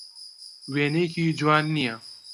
وێنەیەکی جوان نییە.